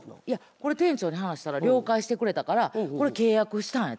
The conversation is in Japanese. これ店長に話したら了解してくれたからこれ契約したんやて。